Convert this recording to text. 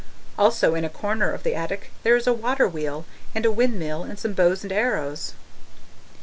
Also in a corner of the attic there is a water wheel and a windmill and some bows and arrows.